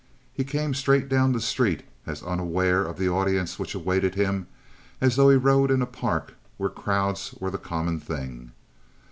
He came straight down the street, as unaware of the audience which awaited him as though he rode in a park where crowds were the common thing.